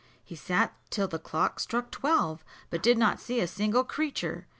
He sat till the clock struck twelve, but did not see a single creature.